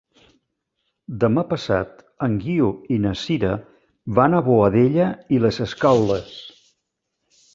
Demà passat en Guiu i na Sira van a Boadella i les Escaules.